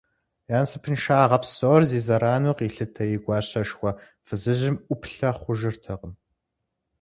Я насыпыншагъэ псор зи зэрану къилъытэ и гуащэшхуэ фызыжьым ӏуплъэ хъужыртэкъым.